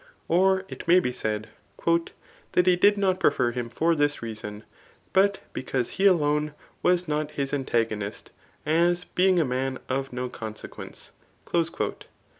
Or it may be said, " That h^ did not prefer him for this reason, but because he alone was not his antagonist, as being a man of no conse quence."